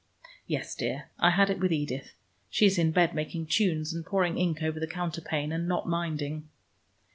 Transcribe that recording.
"Yes, dear, I had it with Edith. She is in bed making tunes and pouring ink over the counterpane, and not minding."